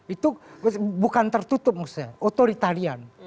itu bukan tertutup maksudnya otoritarian